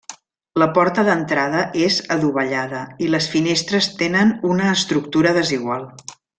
La porta d'entrada és adovellada i les finestres tenen una estructura desigual.